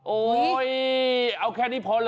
โอ๊ยเอาแค่นี้พอเหรอ